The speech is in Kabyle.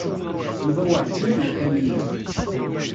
Yuba werǧin ad yeqqim yid-i.